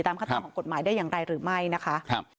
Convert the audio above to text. ตามข้างต่างของกฎหมายได้อย่างไรหรือไม่นะคะครับ